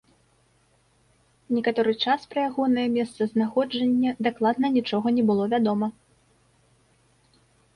Некаторы час пра ягонае месцазнаходжанне дакладна нічога не было вядома.